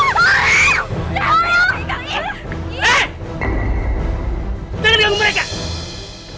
jangan ganggu mereka